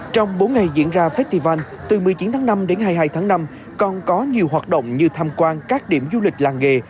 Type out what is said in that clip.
trong bốn ngày diễn ra festival từ một mươi chín tháng năm đến hai mươi hai tháng năm còn có nhiều hoạt động như tham quan các điểm du lịch làng nghề